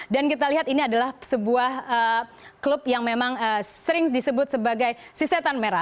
dan kita lihat ini adalah sebuah klub yang memang sering disebut sebagai si setan merah